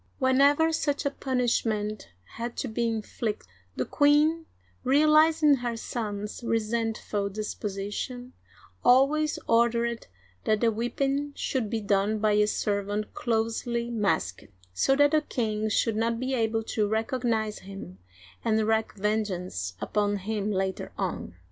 *' Whenever such a punishment had to be inflicted, the queen — realizing her son's resentful disposition — always ordered that the whipping should be done by a serv ant closely masked, so that the king should not be able to recognize him and wreak vengeance upon him later on.